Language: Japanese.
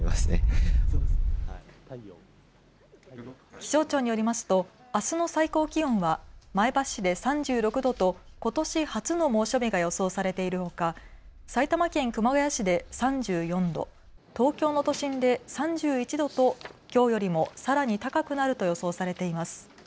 気象庁によりますとあすの最高気温は前橋市で３６度とことし初の猛暑日が予想されているほか埼玉県熊谷市で３４度、東京の都心で３１度ときょうよりもさらに高くなると予想されています。